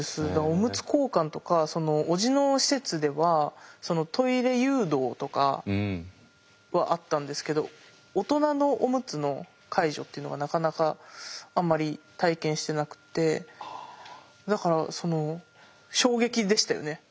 おむつ交換とかおじの施設ではトイレ誘導とかはあったんですけど大人のおむつの介助っていうのがなかなかあんまり体験してなくってだからその衝撃でしたよね。